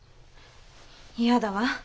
嫌だわ。